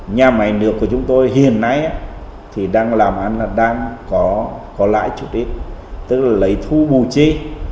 nhà máy nước của chúng tôi hiện nay thì đang làm ăn là đang có lãi chút ít tức là lấy thu bù chi